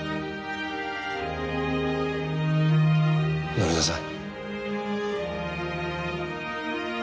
乗りなさい。